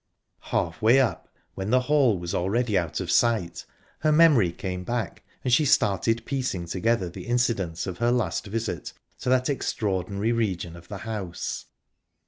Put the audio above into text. Halfway up, when the hall was already out of sight, her memory came back and she started piecing together the incidents of her last visit to that extraordinary region of the house.